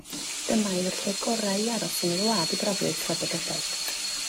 Dyma yw'r lle gorau i aros yn y wlad i brofi ei thraddodiadau.